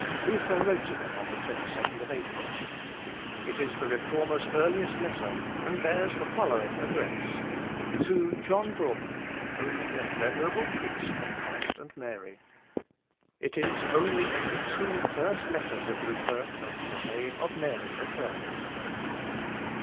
Luther wrote him on the 22nd April. It is the Reformer's earliest letter, and bears the following address: "To John Braun, Holy and Venerable Priest of Christ and Mary." It is only in the two first letters of Luther that the name of Mary occurs.